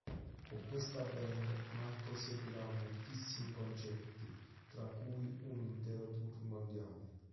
Con questa band Mark eseguirà moltissimi concerti tra cui un intero tour mondiale.